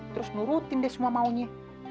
terus nurutin deh semua maunya